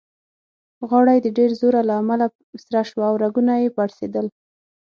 غاړه يې د ډېر زوره له امله سره شوه او رګونه يې پړسېدل.